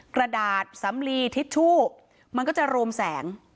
กระดาษสำลีทิชชู่มันก็จะรวมแสง